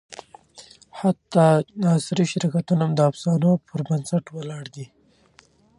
حتی عصري شرکتونه د افسانو پر بنسټ ولاړ دي.